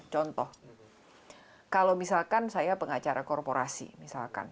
contoh kalau misalkan saya pengacara korporasi misalkan